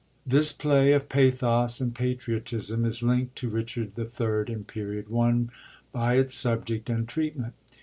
— This play of pathos and patriotism is linkt to Richard III. in Period I. by its subject and treatment.